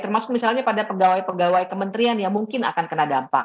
termasuk misalnya pada pegawai pegawai kementerian yang mungkin akan kena dampak